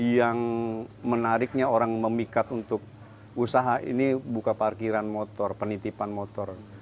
yang menariknya orang memikat untuk usaha ini buka parkiran motor penitipan motor